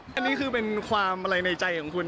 อันนี้คือเป็นความอะไรในใจของคุณ